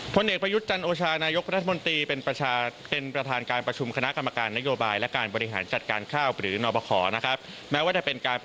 ติดตามจากคุณเจนศักดิ์แซ่อึ้งรายงานสดมาจากคุณเจนศักดิ์